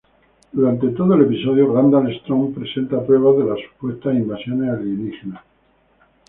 Durante todo el episodio Randall Strong presenta pruebas de las supuestas invasiones alienígenas.